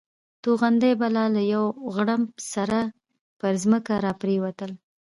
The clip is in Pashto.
توغندي به له یو غړومب سره پر ځمکه را پرېوتل.